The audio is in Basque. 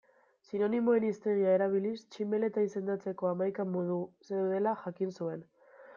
Sinonimoen hiztegia erabiliz tximeleta izendatzeko hamaika modu zeudela jakin zuen.